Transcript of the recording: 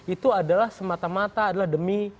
itu adalah semata mata adalah demi